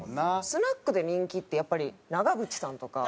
スナックで人気ってやっぱり長渕さんとか。